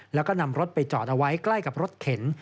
แล้วก็นำรถไปจอดเอาไว้ใกล้กับรถเข็น